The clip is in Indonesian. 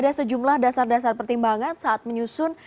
ada sejumlah dasar dasar pertimbangan saat menyusun